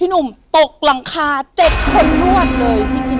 นุ่มตกหลังคาเจ็ดคนลวดเลยที่กิน